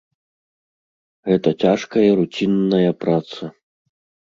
Гэта цяжкая руцінная праца.